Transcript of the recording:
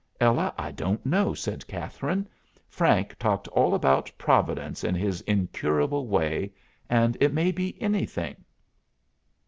"Ella, I don't know," said Catherine. "Frank talked all about Providence in his incurable way, and it may be anything."